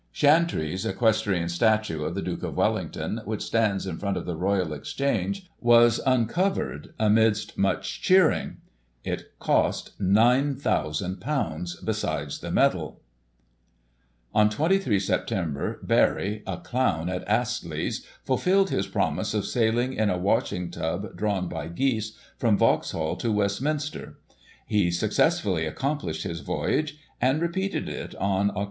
Chantrey*s equestrian statue of the Duke of Wellington, which stands in front of the Royal Exchange, was uncovered, amidst much cheering. It cost ;£"9,ooo besides the metal. On 23 Sept. Barry, a clown at Astley's, fulfilled his promise Barry, the Clown, on the Thames. of saiHng in a washing tub drawn by geese, from Vauxhall to Westminster. He successfully accomplished his voyage, and repeated it on Oct.